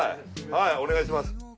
はいお願いします。